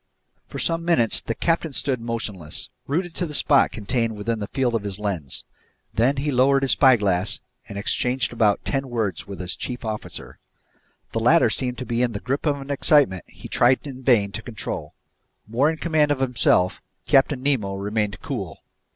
For some minutes the captain stood motionless, rooted to the spot contained within the field of his lens. Then he lowered his spyglass and exchanged about ten words with his chief officer. The latter seemed to be in the grip of an excitement he tried in vain to control. More in command of himself, Captain Nemo remained cool.